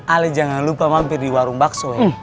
ali jangan lupa mampir di warung bakso ya